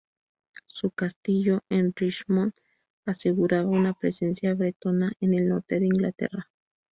Su castillo en Richmond aseguraba una presencia bretona en el norte de Inglaterra.